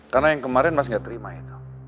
karena yang kemarin mas gak terima itu